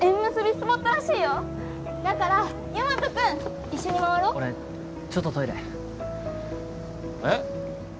スポットらしいよだからヤマト君一緒に回ろ俺ちょっとトイレえっ？